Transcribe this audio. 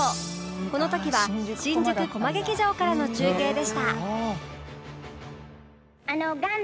この時は新宿コマ劇場からの中継でした